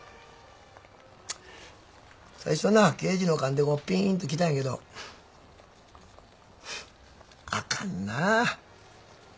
最初な刑事の勘でこうピンと来たんやけどあかんなあ。